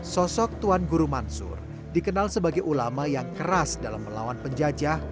sosok tuan guru mansur dikenal sebagai ulama yang keras dalam melawan penjajah